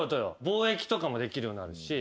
貿易とかもできるようになるし。